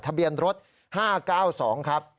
ทะเบียนรถ๕๙๒ครับ